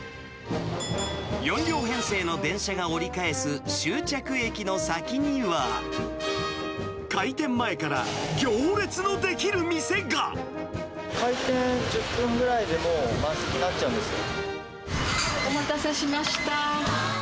４両編成の電車が折り返す終着駅の先には、開店１０分ぐらいでもう満席お待たせしました。